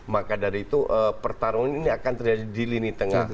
maka dari itu pertarungan ini akan terjadi di lini tengah